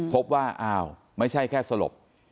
พบว่าอ้าวไม่ใช่แค่สลบ